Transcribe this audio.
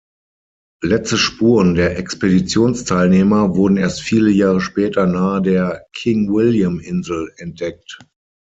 Letzte Spuren der Expeditionsteilnehmer wurden erst viele Jahre später nahe der King-William-Insel entdeckt.